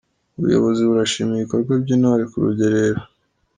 Ubuyobozi burashima ibikorwa by’Intore ku Rugerero